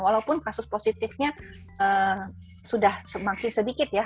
walaupun kasus positifnya sudah semakin sedikit ya